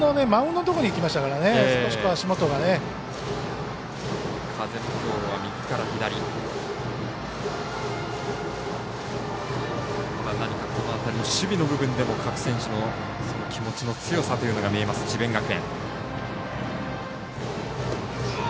何か、この辺り守備の部分でも各選手の気持ちの強さというのが見えます、智弁学園。